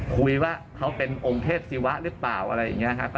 คุยว่าเขาเป็นองค์เทพศิวะหรือเปล่าอะไรอย่างนี้ครับ